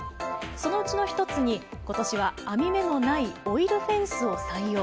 そのうちの１つに今年は網目のないオイルフェンスを採用。